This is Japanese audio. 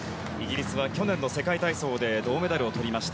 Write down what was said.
イギリスは去年の世界体操で銅メダルをとりました。